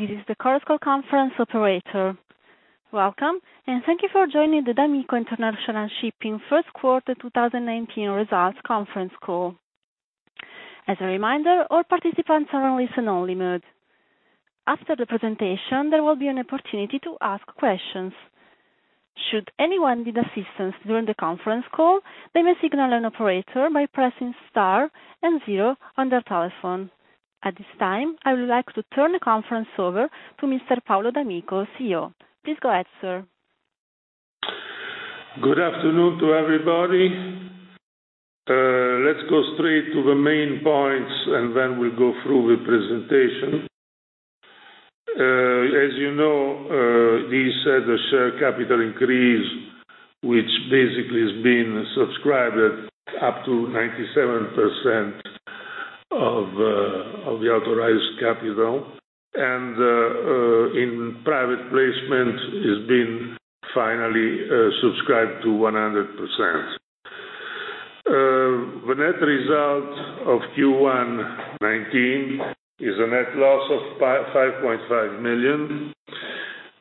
This is the Chorus Call conference operator. Welcome, and thank you for joining the d'Amico International Shipping first quarter 2019 results conference call. As a reminder, all participants are on listen-only mode. After the presentation, there will be an opportunity to ask questions. Should anyone need assistance during the conference call, they may signal an operator by pressing star and zero on their telephone. At this time, I would like to turn the conference over to Mr. Paolo d'Amico, CEO. Please go ahead, sir. Good afternoon to everybody. Let's go straight to the main points. Then we'll go through the presentation. As you know, we set the share capital increase, which basically has been subscribed up to 97% of the authorized capital, in private placement, it's been finally subscribed to 100%. The net result of Q1 2019 is a net loss of $5.5 million.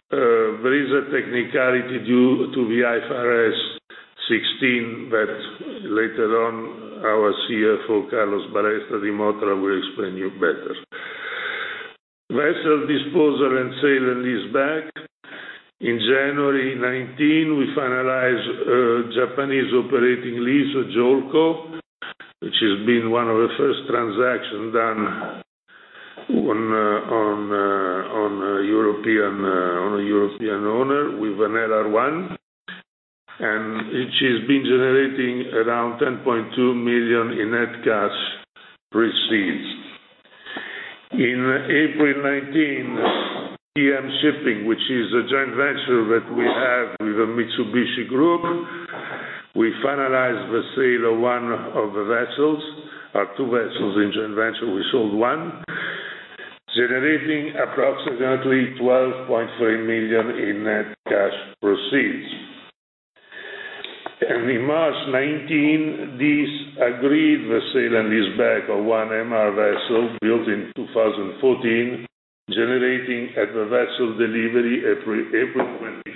There is a technicality due to the IFRS 16, later on, our CFO, Carlos Balestra di Mottola, will explain to you better. Vessel disposal and sale and lease back. In January 2019, we finalized a Japanese operating lease, JOLCO, which has been one of the first transactions done on a European owner with an LR1, which has been generating around $10.2 million in net cash proceeds. In April 2019, DM Shipping, which is a joint venture that we have with the Mitsubishi Group, we finalized the sale of one of the vessels. Are two vessels in joint venture, we sold one, generating approximately $12.3 million in net cash proceeds. In March 2019, this agreed the sale and lease back of one MR vessel built in 2014, generating at the vessel delivery, April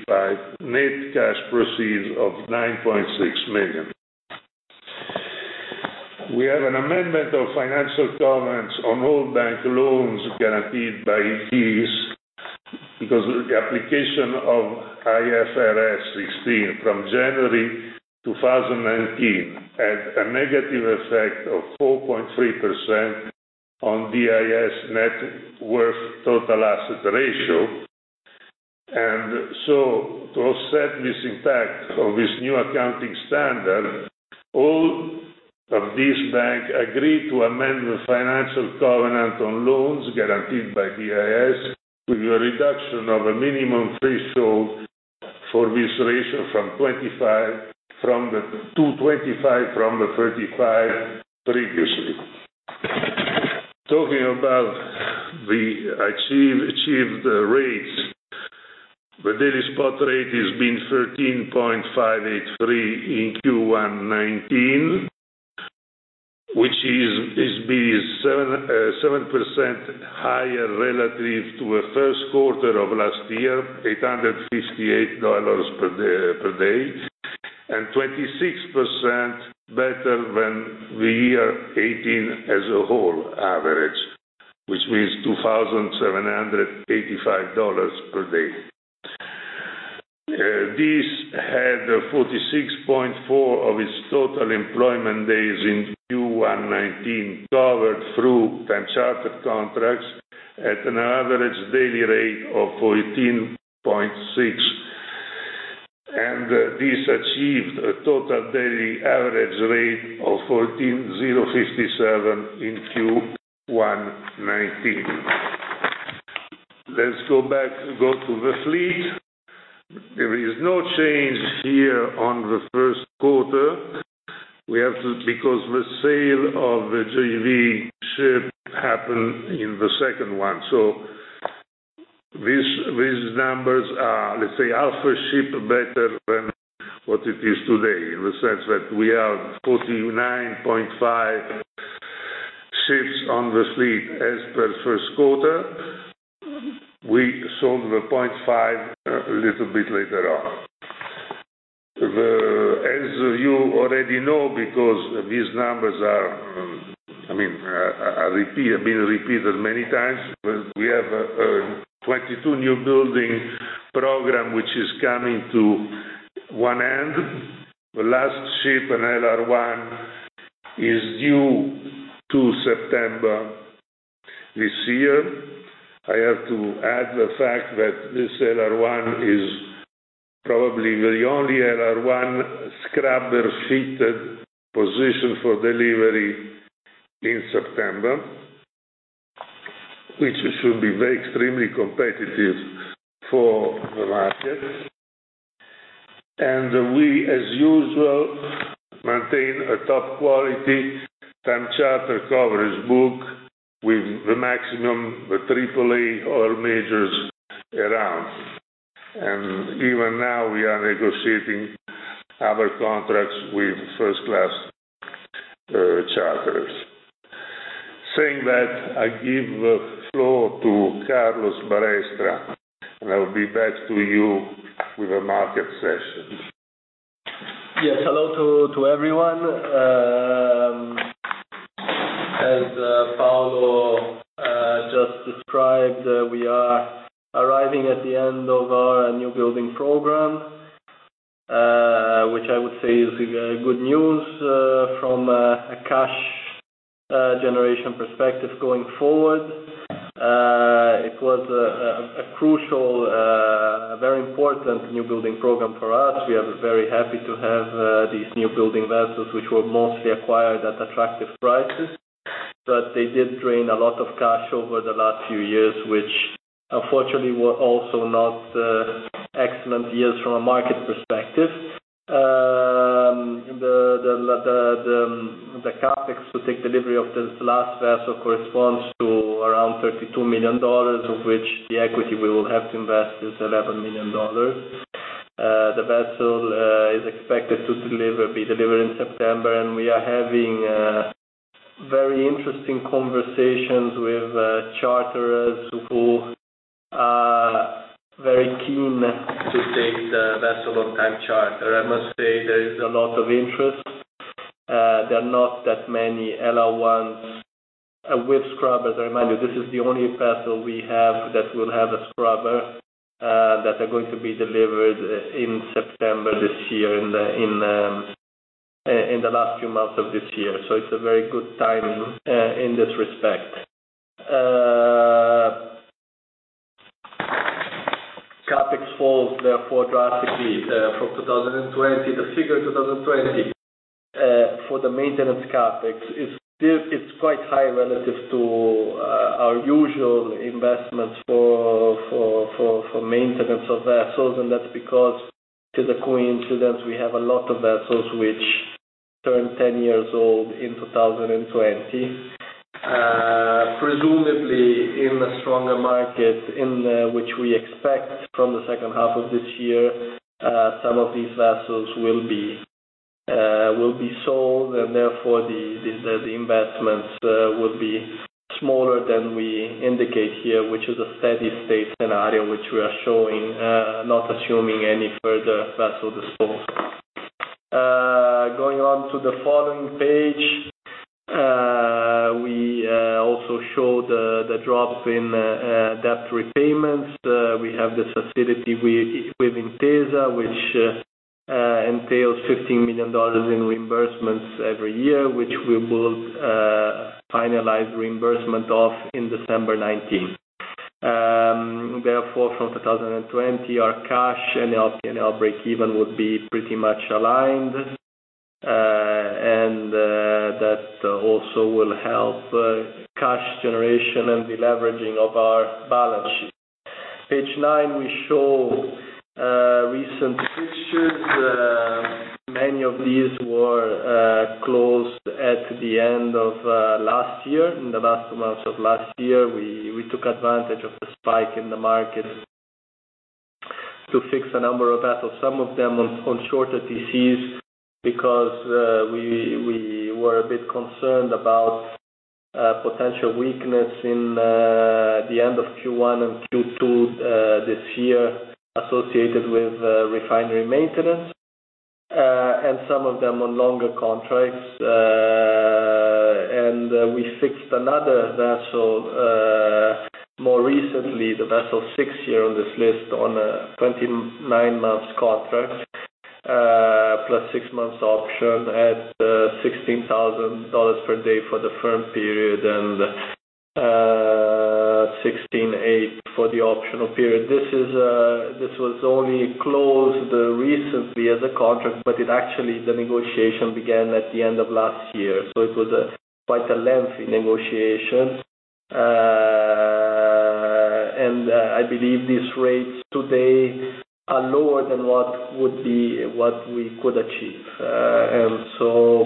25, net cash proceeds of $9.6 million. We have an amendment of financial covenants on all bank loans guaranteed by DIS, because the application of IFRS 16 from January 2019, had a negative effect of 4.3% on DIS net worth total asset ratio. To offset this impact of this new accounting standard, all of this bank agreed to amend the financial covenant on loans guaranteed by DIS with a reduction of a minimum threshold for this ratio to 25 from the 35 previously. Talking about the achieved rates. The daily spot rate has been $13,583 in Q1 2019, which has been 7% higher relative to the first quarter of last year, $858 per day, 26% better than the year 2018 as a whole average, which means $2,785 per day. This had 46.4 of its total employment days in Q1 2019, covered through time charter contracts at an average daily rate of $14.6. This achieved a total daily average rate of $14,057 in Q1 2019. Let's go back. Go to the fleet. There is no change here on the first quarter. The sale of the JV ship happened in the second one. These numbers are, let's say, half a ship better than what it is today, in the sense that we have 49.5 ships on the fleet as per first quarter. We sold the 0.5 a little bit later on. As you already know, because these numbers have been repeated many times, we have a 22 new building program, which is coming to one end. The last ship, an LR1, is due to September this year. I have to add the fact that this LR1 is probably the only LR1 scrubber-fitted position for delivery in September, which should be extremely competitive for the market. We, as usual, maintain a top-quality time charter coverage book with the maximum AAA oil majors around. Even now, we are negotiating other contracts with first-class charterers. Saying that, I give the floor to Carlos Balestra, I will be back to you with the market session. Yes. Hello to everyone. As Paolo just described, we are arriving at the end of our new building program, which I would say is good news from a cash generation perspective going forward. It was a crucial, very important new building program for us. We are very happy to have these new building vessels, which were mostly acquired at attractive prices. They did drain a lot of cash over the last few years, which unfortunately were also not excellent years from a market perspective. The CapEx to take delivery of this last vessel corresponds to around $32 million, of which the equity we will have to invest is $11 million. The vessel is expected to be delivered in September, we are having very interesting conversations with charterers who are very keen to take the vessel on time charter. I must say there is a lot of interest. There are not that many LR1s with scrubbers. I remind you, this is the only vessel we have that will have a scrubber, that are going to be delivered in September this year, in the last few months of this year. It's a very good timing in this respect. CapEx falls, therefore, drastically from 2020. The figure in 2020 for the maintenance CapEx, it's quite high relative to our usual investments for maintenance of vessels, that's because it's a coincidence we have a lot of vessels which turn 10 years old in 2020. Presumably, in a stronger market in which we expect from the second half of this year, some of these vessels will be sold, therefore the investments will be smaller than we indicate here, which is a steady state scenario in which we are showing not assuming any further vessel disposals. Going on to the following page, we also show the drop in debt repayments. We have this facility with Intesa, which entails $15 million in reimbursements every year, which we will finalize reimbursement of in December 2019. Therefore, from 2020, our cash and LCNL breakeven would be pretty much aligned, and that also will help cash generation and deleveraging of our balance sheet. Page nine, we show recent fixtures. Many of these were closed at the end of last year. In the last months of last year, we took advantage of the spike in the market to fix a number of vessels, some of them on shorter TCs, because we were a bit concerned about potential weakness in the end of Q1 and Q2 this year associated with refinery maintenance, and some of them on longer contracts. We fixed another vessel more recently, the vessel six here on this list, on a 29-month contract, plus six months option at $16,000 per day for the firm period, and $16,800 for the optional period. This was only closed recently as a contract, but actually, the negotiation began at the end of last year. It was quite a lengthy negotiation. I believe these rates today are lower than what we could achieve,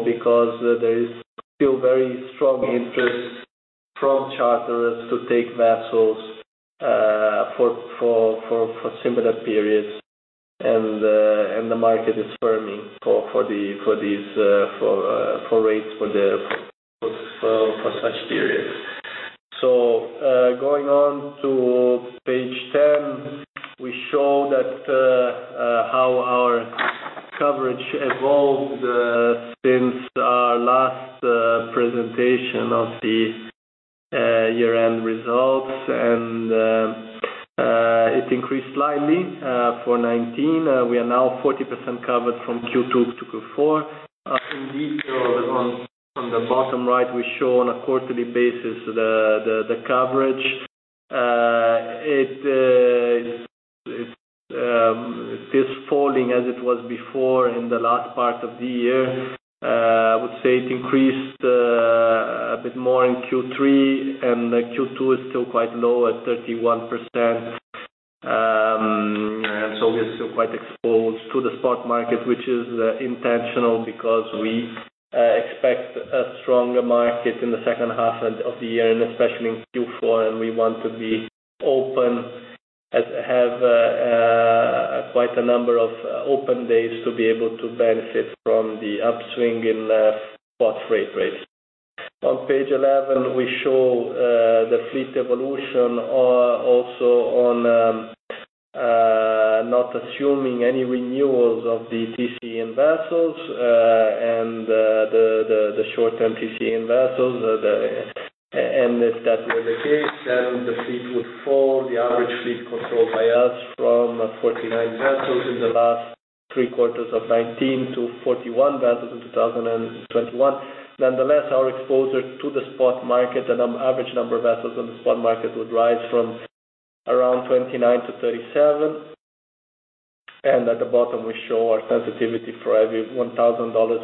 because there is still very strong interest from charterers to take vessels for similar periods, The market is firming for rates for such periods. Going on to page 10, we show how our coverage evolved since our last presentation of the year-end results, it increased slightly for 2019. We are now 40% covered from Q2 to Q4. In detail on the bottom right, we show on a quarterly basis the coverage. It is falling as it was before in the last part of the year. I would say it increased a bit more in Q3, Q2 is still quite low at 31%. We are still quite exposed to the spot market, which is intentional because we expect a stronger market in the second half of the year and especially in Q4, and we want to be open and have quite a number of open days to be able to benefit from the upswing in spot freight rates. On page 11, we show the fleet evolution also on not assuming any renewals of the TC-in vessels and the short-term TC-in vessels. If that were the case, the fleet would fall, the average fleet controlled by us from 49 vessels in the last three quarters of 2019 to 41 vessels in 2021. Nonetheless, our exposure to the spot market and average number of vessels in the spot market would rise from around 29 to 37. At the bottom, we show our sensitivity for every $1,000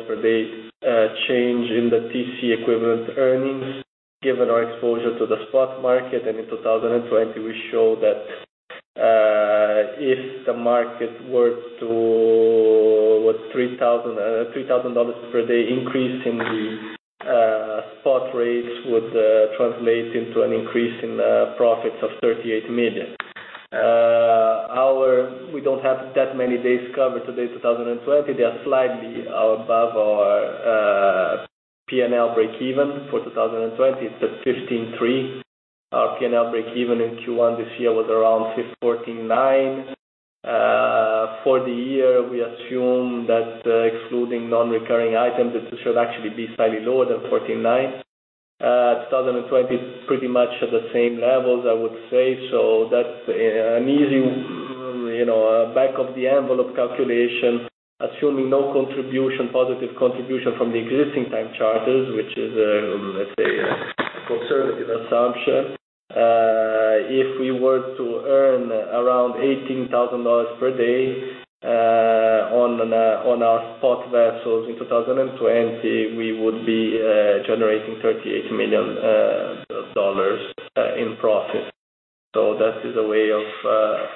per day change in the TC equivalent earnings given our exposure to the spot market. In 2020, we show that if the market were to $3,000 per day increase in the spot rates, would translate into an increase in profits of $38 million. We don't have that many days covered to date 2020. They are slightly above our P&L breakeven for 2020. It's at $15,300. Our P&L breakeven in Q1 this year was around $14,900. For the year, we assume that excluding non-recurring items, it should actually be slightly lower than $14 nine. 2020 is pretty much at the same levels, I would say. That is an easy back of the envelope calculation, assuming no positive contribution from the existing time charters, which is, let's say, a conservative assumption. If we were to earn around $18,000 per day on our spot vessels in 2020, we would be generating $38 million in profit. That is a way of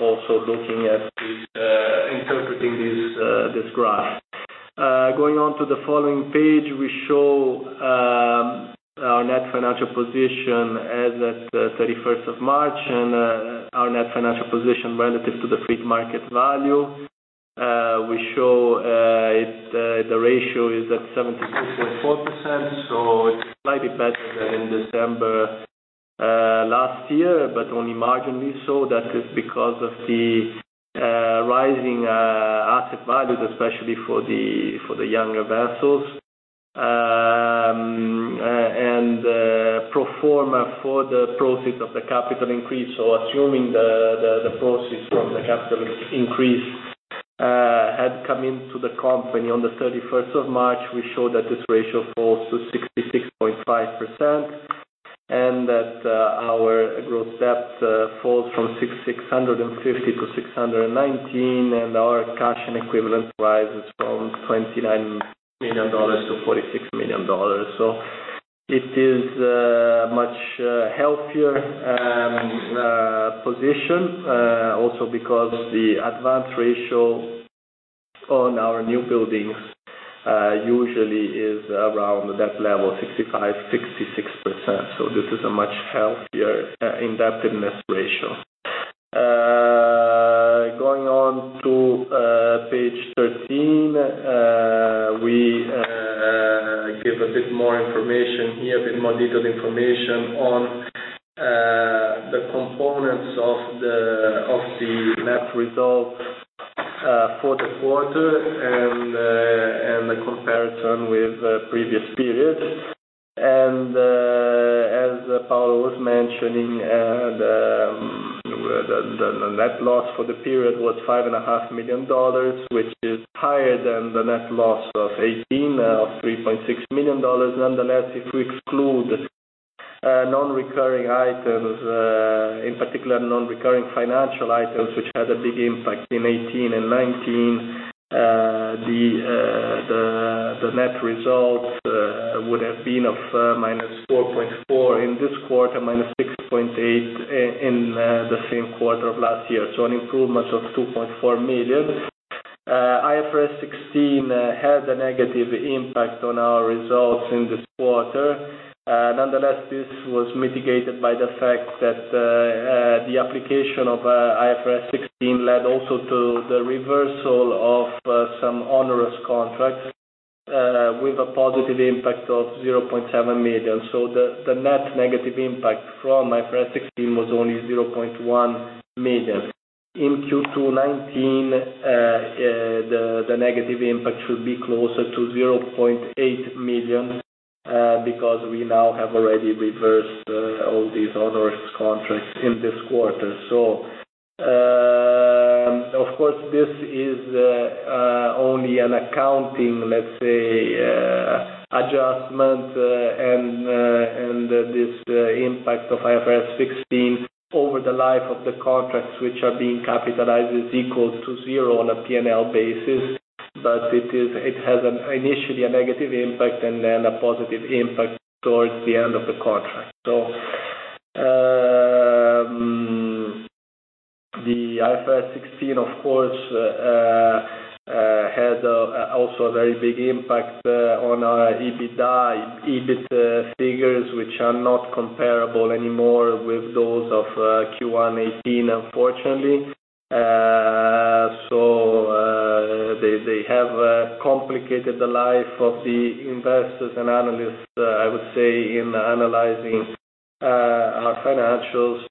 also looking at interpreting this graph. Going on to the following page, we show our net financial position as at 31st of March, and our net financial position relative to the fleet market value. We show the ratio is at 76.4%, so it is slightly better than in December last year, but only marginally so. That is because of the rising asset values, especially for the younger vessels. Pro forma for the proceeds of the capital increase, assuming the proceeds from the capital increase had come into the company on the 31st of March, we show that this ratio falls to 66.5%, and that our gross debt falls from $650 to $619, and our cash and equivalent rises from $29 million to $46 million. It is a much healthier position, also because the advance ratio on our new buildings usually is around that level, 65%-66%. This is a much healthier indebtedness ratio. Going on to page 13, we give a bit more information here, a bit more detailed information on the components of the net results for the quarter and the comparison with previous periods. As Paolo was mentioning, the net loss for the period was $5.5 million, which is higher than the net loss of 2018 of $3.6 million. Nonetheless, if we exclude non-recurring items, in particular non-recurring financial items, which had a big impact in 2018 and 2019, the net results would have been of -$4.4 in this quarter, -$6.8 in the same quarter of last year. An improvement of $2.4 million. IFRS 16 had a negative impact on our results in this quarter. Nonetheless, this was mitigated by the fact that the application of IFRS 16 led also to the reversal of some onerous contracts with a positive impact of $0.7 million. The net negative impact from IFRS 16 was only $0.1 million. In Q2 2019, the negative impact should be closer to $0.8 million because we now have already reversed all these onerous contracts in this quarter. Of course, this is only an accounting, let's say, adjustment, and this impact of IFRS 16 over the life of the contracts, which are being capitalized, is equal to zero on a P&L basis. It has initially a negative impact and then a positive impact towards the end of the contract. The IFRS 16, of course, a very big impact on our EBITDA, EBIT figures, which are not comparable anymore with those of Q1 2018, unfortunately. They have complicated the life of the investors and analysts, I would say, in analyzing our financials.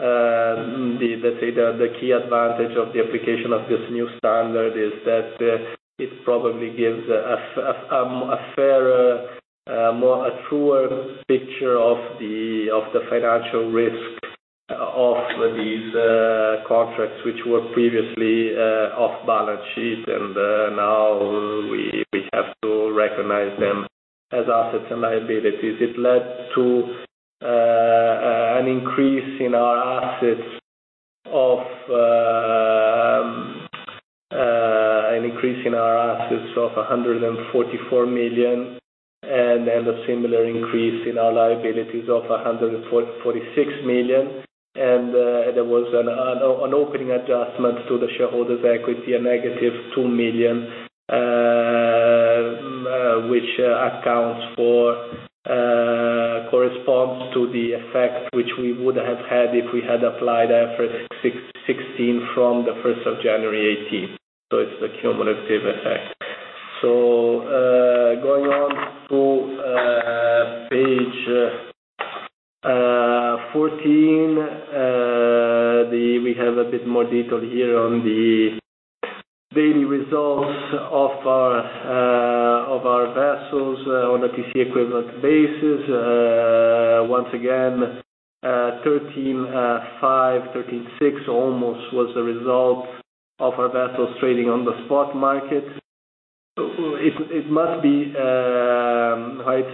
Let's say the key advantage of the application of this new standard is that it probably gives a fairer, a truer picture of the financial risks of these contracts which were previously off balance sheet, and now we have to recognize them as assets and liabilities. It led to an increase in our assets of $144 million and a similar increase in our liabilities of $146 million. There was an opening adjustment to the shareholders' equity, a negative $2 million, which corresponds to the effect which we would have had if we had applied IFRS 16 from the 1st of January 2018. It's the cumulative effect. Going on to page 14, we have a bit more detail here on the daily results of our vessels on a TC Equivalent basis. Once again, $13,500, $13,600 almost was the result of our vessels trading on the spot market. It's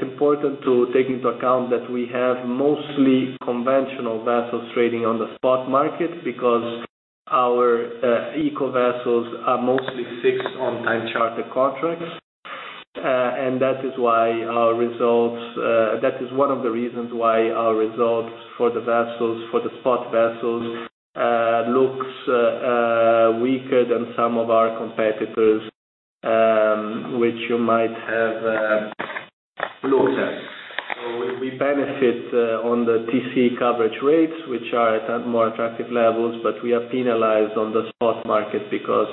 important to take into account that we have mostly conventional vessels trading on the spot market because our eco vessels are mostly fixed on time charter contracts. That is one of the reasons why our results for the spot vessels looks weaker than some of our competitors, which you might have looked at. We benefit on the TC coverage rates, which are at more attractive levels, but we are penalized on the spot market because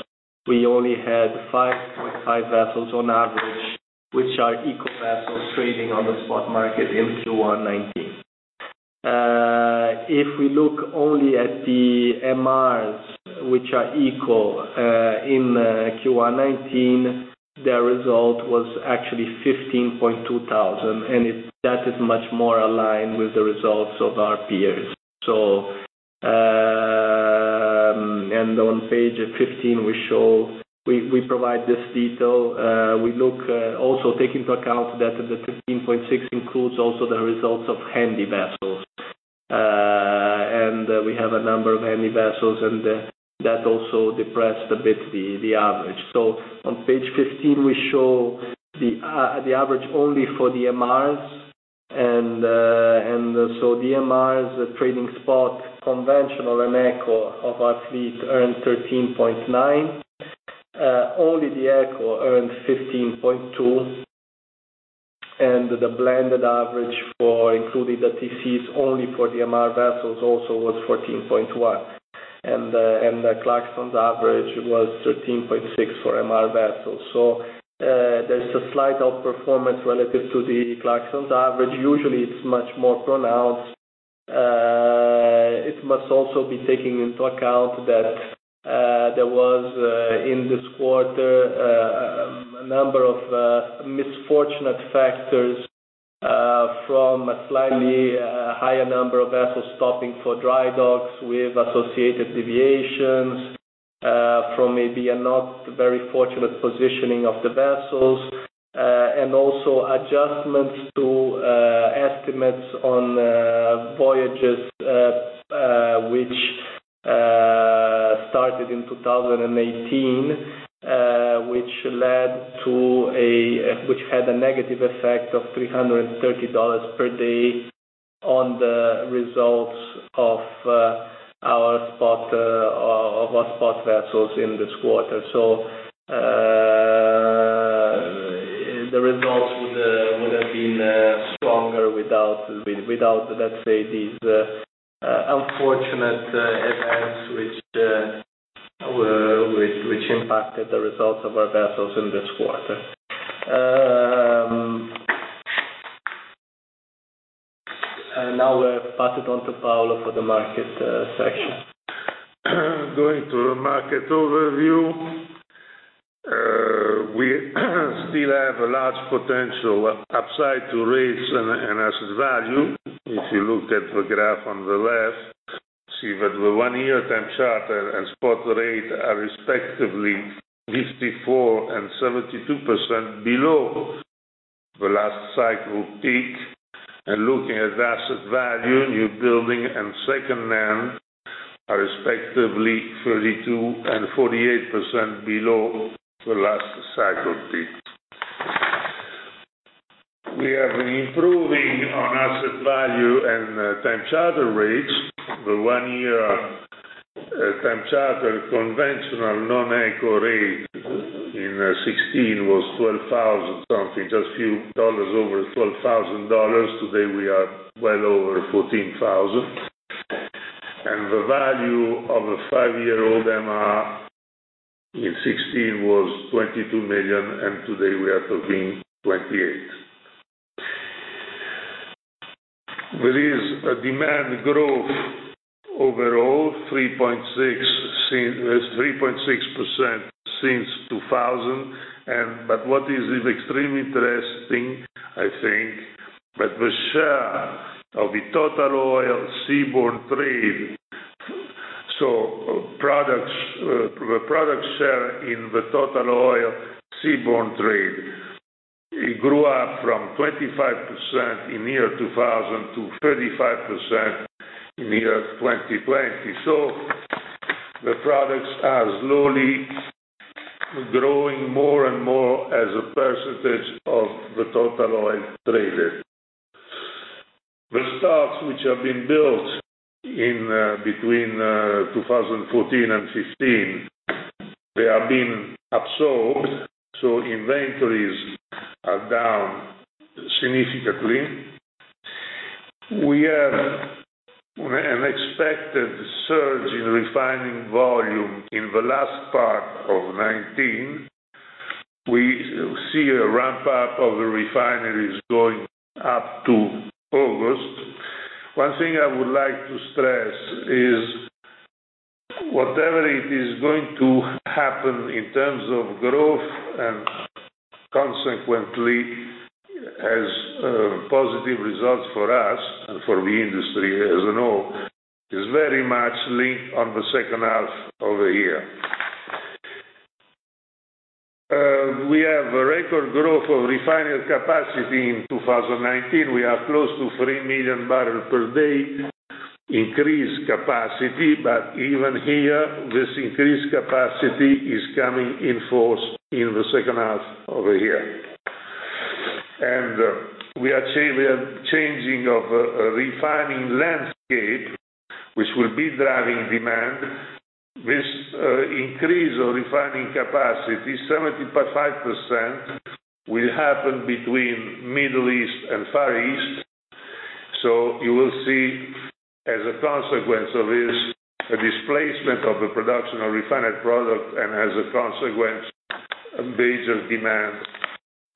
we only had 5.5 vessels on average, which are eco vessels trading on the spot market in Q1 2019. If we look only at the MRs which are eco in Q1 2019, their result was actually $15,200. That is much more aligned with the results of our peers. On page 15, we provide this detail. We look also take into account that the $13,600 includes also the results of Handy vessels. We have a number of Handy vessels, and that also depressed a bit the average. On page 15, we show the average only for the MRs. The MRs trading spot conventional and eco of our fleet earned $13,900. Only the eco earned $15,200. The blended average including the TCs only for the MR vessels also was $14,100. The Clarksons average was $13,600 for MR vessels. There's a slight outperformance relative to the Clarksons average. Usually, it's much more pronounced. It must also be taken into account that there was, in this quarter, a number of misfortunate factors from a slightly higher number of vessels stopping for dry docks with associated deviations, from maybe a not very fortunate positioning of the vessels, and also adjustments to estimates on voyages which started in 2018, which had a negative effect of $330 per day on the results of our spot vessels in this quarter. The results would have been stronger without, let's say, these unfortunate events which impacted the results of our vessels in this quarter. Now I pass it on to Paolo for the market section. Going to the market overview. We still have a large potential upside to rates and asset value. If you look at the graph on the left, see that the one-year time charter and spot rate are respectively 54% and 72% below the last cycle peak. Looking at asset value, new building and second-hand are respectively 32% and 48% below the last cycle peak. We are improving on asset value and time charter rates. The one-year time charter conventional non-eco rate in 2016 was $12,000 something, just a few dollars over $12,000. Today, we are well over $14,000. The value of a five-year-old MR in 2016 was $22 million, and today we are talking $28 million. There is a demand growth overall, 3.6% since 2000. What is extremely interesting, I think, that the share of the total oil seaborne trade. The product share in the total oil seaborne trade grew up from 25% in the year 2000 to 35% in the year 2020. The products are slowly growing more and more as a percentage of the total oil traded. The stocks which have been built in between 2014 and 2015, they are being absorbed, so inventories are down significantly. We have an expected surge in refining volume in the last part of 2019. We see a ramp up of the refineries going up to August. One thing I would like to stress is whatever is going to happen in terms of growth and consequently as positive results for us and for the industry, as you know, is very much linked on the second half of the year. We have a record growth of refinery capacity in 2019. We are close to 3 million barrels per day increased capacity, but even here, this increased capacity is coming in force in the second half of the year. We are changing our refining landscape, which will be driving demand. This increase of refining capacity, 75%, will happen between Middle East and Far East. You will see, as a consequence of this, a displacement of the production of refined product and as a consequence, a major demand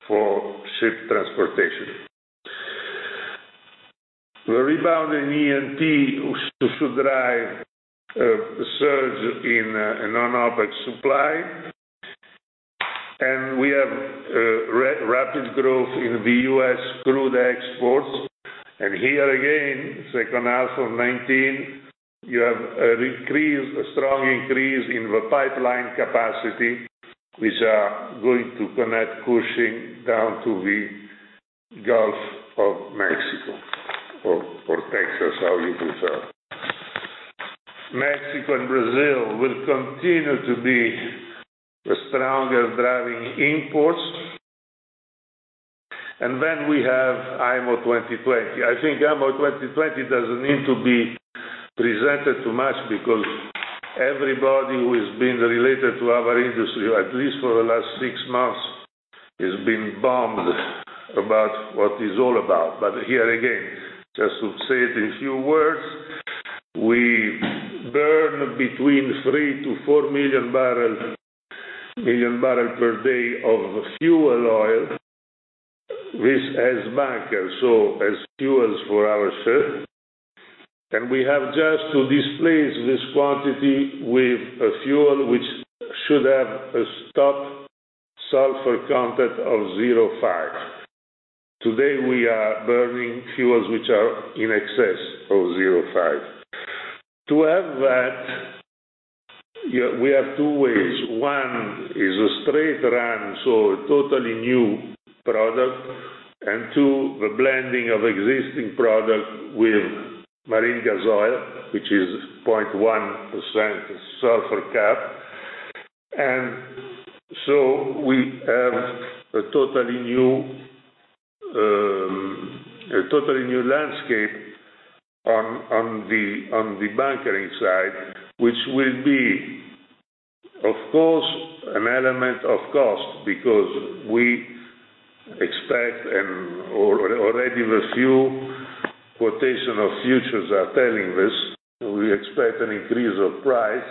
for ship transportation. The rebound in E&P should drive a surge in non-OPEC supply. We have rapid growth in the U.S. crude exports. Here again, second half of 2019, you have a strong increase in the pipeline capacity, which are going to connect Cushing down to the Gulf of Mexico or Texas, how you prefer. Mexico and Brazil will continue to be the stronger driving imports. We have IMO 2020. I think IMO 2020 doesn't need to be presented too much because everybody who has been related to our industry, at least for the last six months, has been bombed about what it's all about. Here again, just to say it in a few words, we burn between 3 million-4 million barrels per day of fuel oil. This as bunkers, so as fuels for our ships. We have just to displace this quantity with a fuel which should have a stop sulfur content of 0.5%. Today, we are burning fuels which are in excess of 0.5%. To have that, we have two ways. One is a straight run, so a totally new product, and two, the blending of existing product with marine gas oil, which is 0.1% sulfur cap. We have a totally new landscape on the bunkering side, which will be, of course, an element of cost because we expect, and already the few quotation of futures are telling this, we expect an increase of price,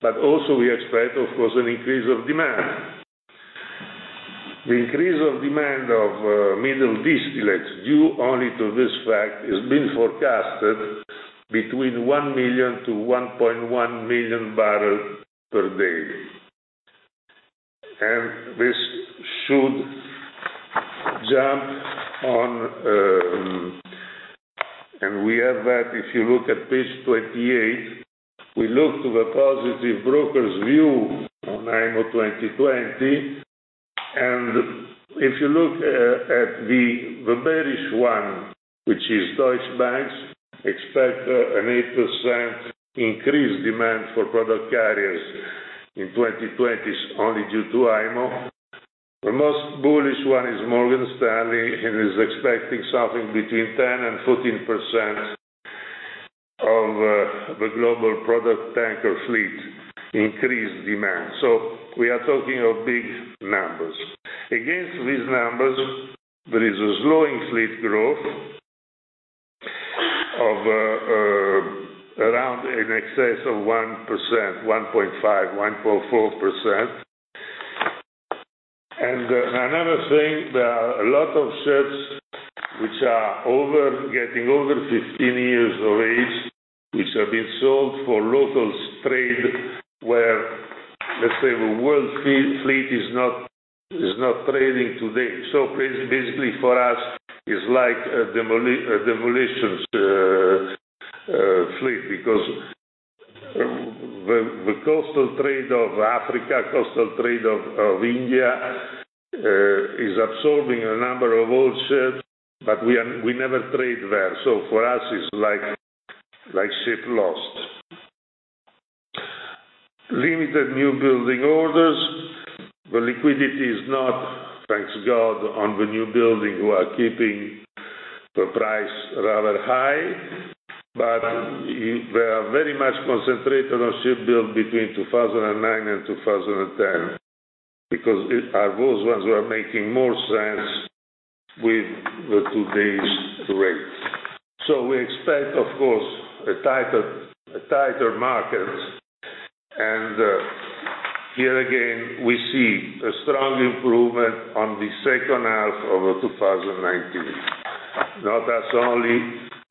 but also we expect, of course, an increase of demand. The increase of demand of middle distillates due only to this fact has been forecasted between 1 million to 1.1 million barrels per day. This should jump on, and we have that if you look at page 28, we look to the positive broker's view on IMO 2020. If you look at the bearish one, which is Deutsche Bank, expect an 8% increased demand for product carriers in 2020, only due to IMO. The most bullish one is Morgan Stanley, and is expecting something between 10% and 14% of the global product tanker fleet increased demand. We are talking of big numbers. Against these numbers, there is a slowing fleet growth of around in excess of 1%, 1.5%, 1.4%. Another thing, there are a lot of ships which are getting over 15 years of age, which have been sold for local trade, where, let's say the world fleet is not trading today. Basically for us, it's like a demolition fleet because the coastal trade of Africa, coastal trade of India, is absorbing a number of old ships, but we never trade there. For us, it's like ship lost. Limited new building orders. The liquidity is not, thanks God, on the new building who are keeping the price rather high, but we are very much concentrated on ship built between 2009 and 2010 because those ones were making more sense with today's rates. We expect, of course, a tighter market. Here again, we see a strong improvement on the second half of 2019. Not us only,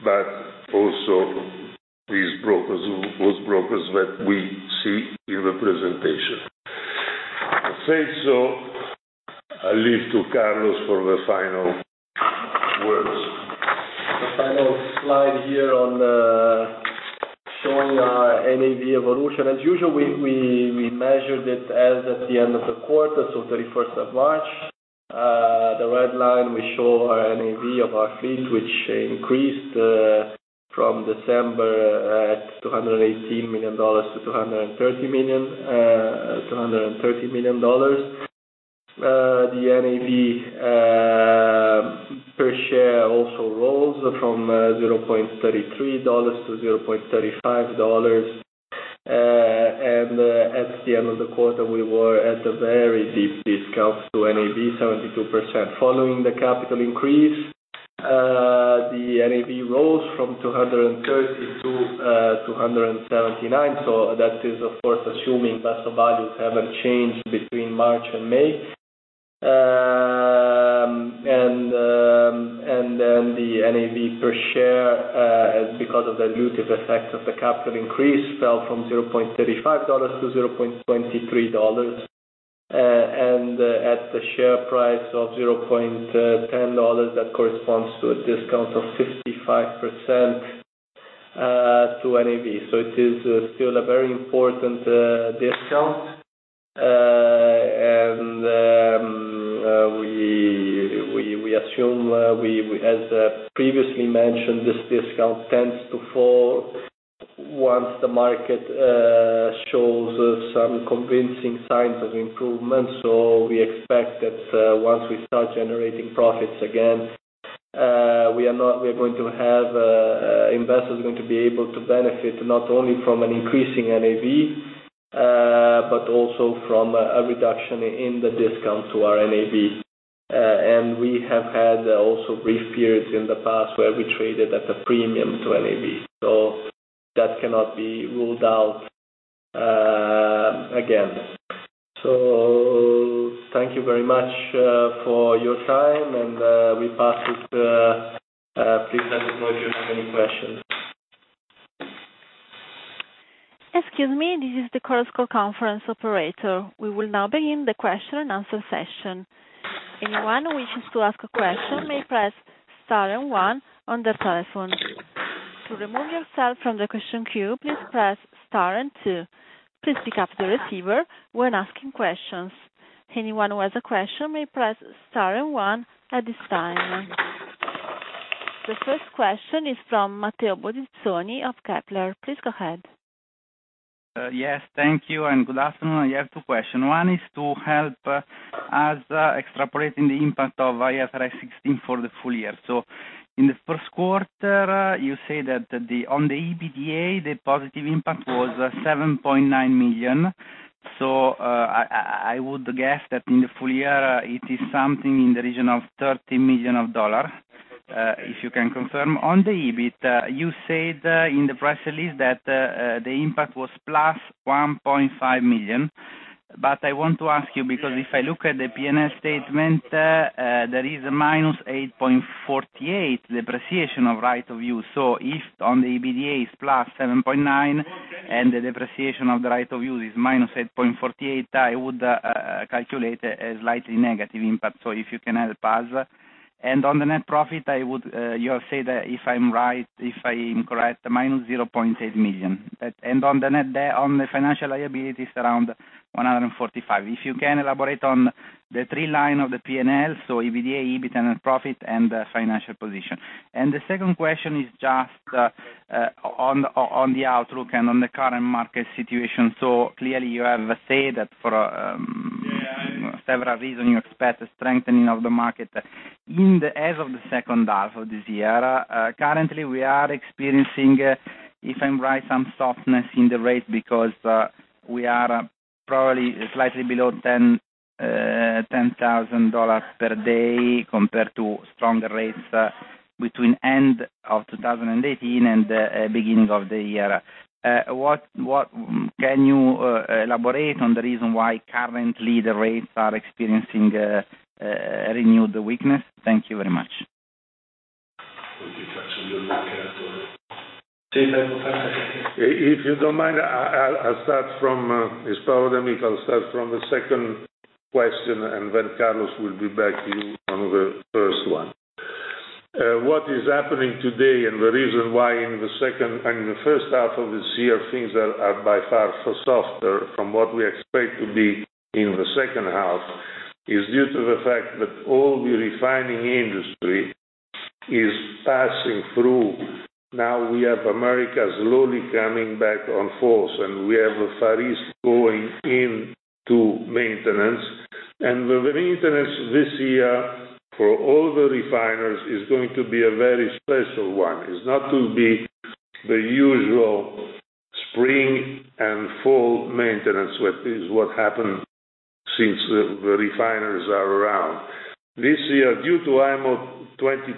but also those brokers that we see in the presentation. I said so, I leave to Carlos for the final words. The final slide here on showing our NAV evolution. As usual, we measured it as at the end of the quarter, 31st of March. The right line, we show our NAV of our fleet, which increased from December at $218 million to $230 million. The NAV per share also rose from $0.33 to $0.35. At the end of the quarter, we were at a very deep discount to NAV 72%. Following the capital increase, the NAV rose from $230 to $279. That is, of course, assuming vessel values haven't changed between March and May. Then the NAV per share, because of the dilutive effect of the capital increase, fell from $0.35 to $0.23. At the share price of $0.10, that corresponds to a discount of 55% to NAV. It is still a very important discount. We assume, as previously mentioned, this discount tends to fall once the market shows some convincing signs of improvement. We expect that once we start generating profits again, investors are going to be able to benefit not only from an increasing NAV, but also from a reduction in the discount to our NAV. We have had also brief periods in the past where we traded at a premium to NAV. That cannot be ruled out again. Thank you very much for your time, and we pass it. Please let us know if you have any questions. Excuse me. This is the Chorus Call conference operator. We will now begin the question and answer session. Anyone who wishes to ask a question may press star and one on their telephone. To remove yourself from the question queue, please press star and two. Please pick up the receiver when asking questions. Anyone who has a question may press star and one at this time. The first question is from Matteo Bonizzoni of Kepler. Please go ahead. Yes, thank you, good afternoon. I have two question. One is to help us extrapolating the impact of IFRS 16 for the full year. In the first quarter, you say that on the EBITDA, the positive impact was $7.9 million. I would guess that in the full year, it is something in the region of $30 million, if you can confirm. On the EBIT, you said in the press release that the impact was +$1.5 million. I want to ask you because if I look at the P&L statement, there is a -$8.48 depreciation of right of use. If on the EBITDA is +$7.9 and the depreciation of the right of use is -$8.48, I would calculate a slightly negative impact. If you can help us. On the net profit, you have said, if I'm correct, -$0.8 million. On the financial liability is around $145. If you can elaborate on the three line of the P&L, so EBITDA, EBIT, and profit and financial position. The second question is just on the outlook and on the current market situation. Clearly you have said that for several reasons, you expect a strengthening of the market as of the second half of this year. Currently, we are experiencing, if I'm right, some softness in the rate because we are probably slightly below $10,000 per day compared to stronger rates between end of 2018 and the beginning of the year. Can you elaborate on the reason why currently the rates are experiencing a renewed weakness? Thank you very much. We can touch on your market. If you don't mind, I'll start from the second question. Carlos will be back to you on the first one. What is happening today and the reason why in the first half of this year, things are by far softer from what we expect to be in the second half is due to the fact that all the refining industry is passing through. Now we have America slowly coming back on force, and we have the Far East going into maintenance. The maintenance this year, for all the refiners, is going to be a very special one. It's not to be the usual spring and fall maintenance, what happened since the refiners are around. This year, due to IMO 2020,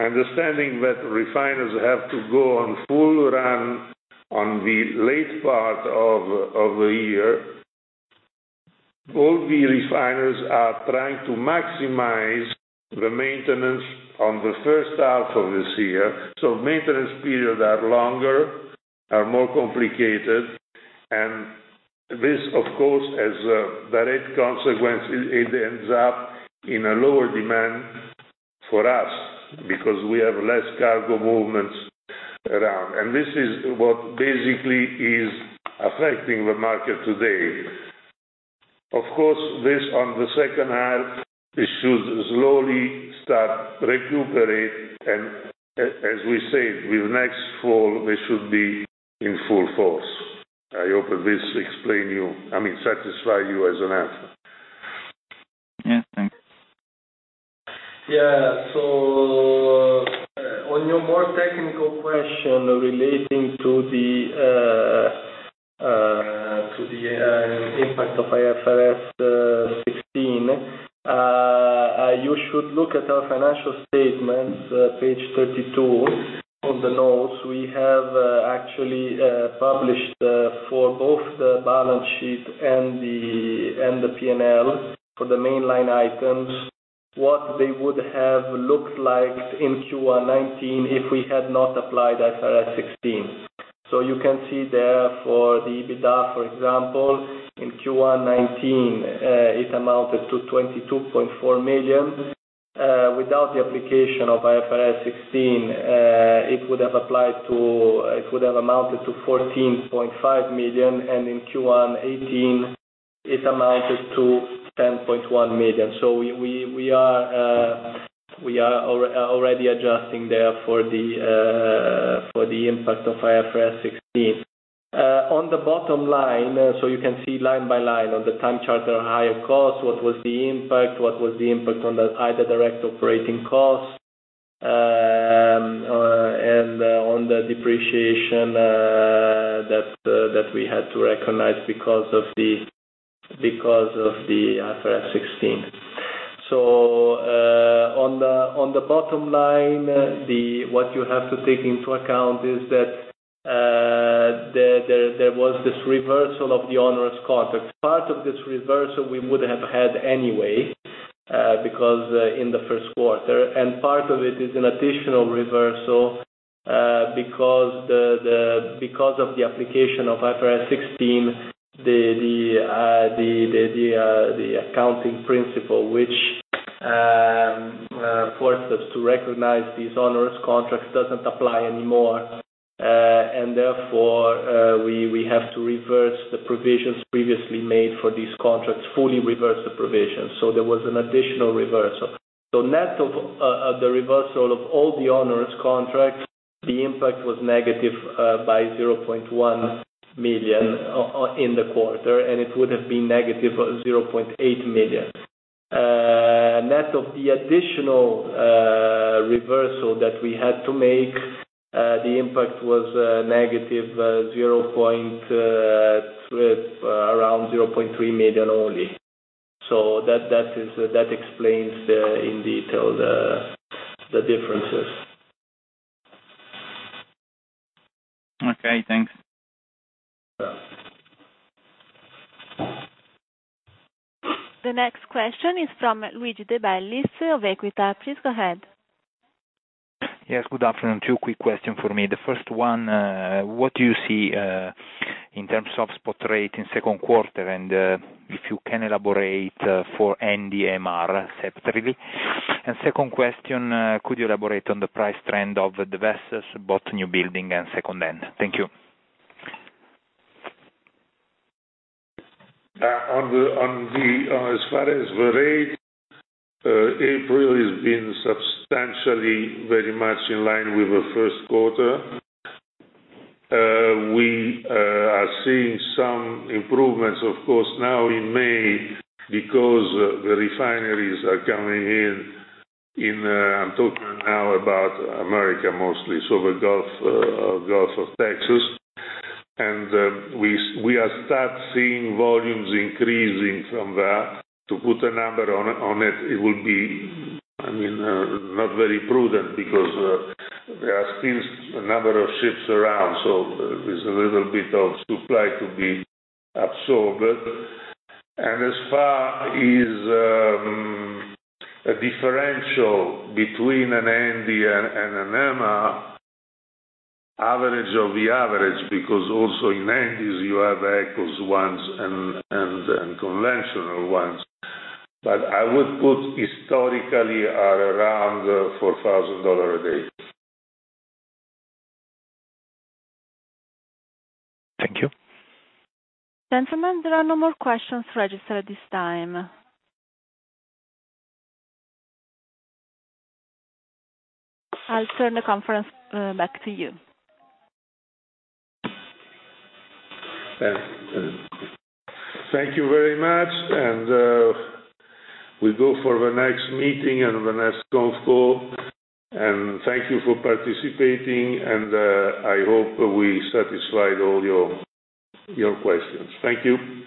understanding that refiners have to go on full run on the late part of the year, all the refiners are trying to maximize the maintenance on the first half of this year. Maintenance periods are longer, are more complicated, and this, of course, as a direct consequence, it ends up in a lower demand for us because we have less cargo movements around. This is what basically is affecting the market today. Of course, this on the second half, it should slowly start recuperate, and as we said, with next fall, we should be in full force. I hope this satisfy you as an answer. Yeah, thanks. Yeah. On your more technical question relating to the impact of IFRS 16, you should look at our financial statements, page 32 of the notes. We have actually published for both the balance sheet and the P&L for the mainline items, what they would have looked like in Q1 2019 if we had not applied IFRS 16. You can see there for the EBITDA, for example, in Q1 2019, it amounted to $22.4 million. Without the application of IFRS 16, it would have amounted to $14.5 million, and in Q1 2018, it amounted to $10.1 million. We are already adjusting there for the impact of IFRS 16. On the bottom line, you can see line by line on the time charter higher cost, what was the impact, what was the impact on the either direct operating cost, and on the depreciation that we had to recognize because of the IFRS 16. On the bottom line, what you have to take into account is that there was this reversal of the onerous contract. Part of this reversal, we would have had anyway in the first quarter, and part of it is an additional reversal because of the application of IFRS 16, the accounting principle, which forces to recognize these onerous contracts doesn't apply anymore. Therefore, we have to reverse the provisions previously made for these contracts, fully reverse the provisions. There was an additional reversal. Net of the reversal of all the onerous contracts, the impact was negative by $0.1 million in the quarter, and it would have been negative $0.8 million. Net of the additional reversal that we had to make, the impact was negative around $0.3 million only. That explains in detail the differences. Okay, thanks. Yeah. The next question is from Luigi De Bellis of Equita. Please go ahead. Yes, good afternoon. Two quick question for me. The first one, what do you see in terms of spot rate in second quarter? If you can elaborate for NDMR separately. Second question, could you elaborate on the price trend of the vessels, both new building and second-hand? Thank you. As far as the rate, April has been substantially very much in line with the first quarter. We are seeing some improvements, of course, now in May because the refineries are coming in. I am talking now about America mostly, so the Gulf of Mexico. We are start seeing volumes increasing from that. To put a number on it would be not very prudent because there are still a number of ships around, so there is a little bit of supply to be absorbed. As far as a differential between an Handy and an MR, average of the average, because also in NDs, you have eco ones and conventional ones. I would put historically at around $4,000 a day. Thank you. Gentlemen, there are no more questions registered at this time. I will turn the conference back to you. Thank you very much, and we go for the next meeting and the next conf call. Thank you for participating, and I hope we satisfied all your questions. Thank you.